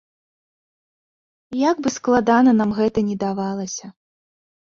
Як бы складана нам гэта ні давалася.